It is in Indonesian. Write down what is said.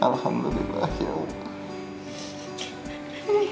alhamdulillah ya allah